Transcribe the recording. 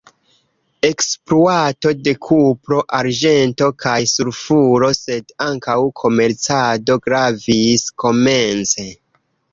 Ekspluato de kupro, arĝento kaj sulfuro sed ankaŭ komercado gravis komence.